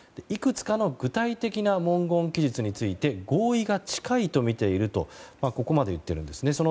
いくつかの具体的な文言記述について合意が近いとみているとここまで言っているんですね。